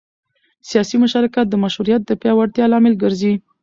سیاسي مشارکت د مشروعیت د پیاوړتیا لامل ګرځي